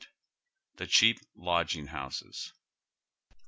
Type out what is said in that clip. THE CHEAP LODGING HOUSES.